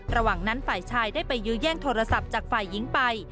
ระหว่างนั้นฝ่ายชายได้ไปยื้อแย่งโทรศัพท์จากฝ่ายหญิงไป